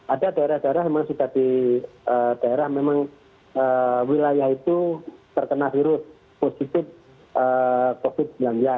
ada daerah daerah memang sudah di daerah memang wilayah itu terkena virus positif covid sembilan belas